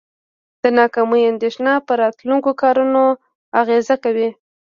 د ناکامۍ اندیښنه په راتلونکو کارونو اغیزه کوي.